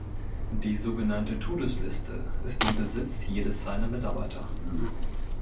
Die sogenannte „Todesliste“ ist im Besitz jedes seiner Mitarbeiter.